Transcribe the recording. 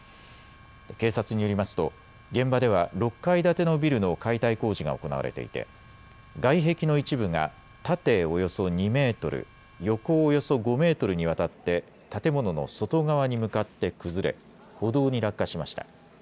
警察によりますと現場では６階建てのビルの解体工事が行われていて外壁の一部が縦およそ２メートル、横およそ５メートルにわたって建物の外側に向かって崩れ歩道に落下しました。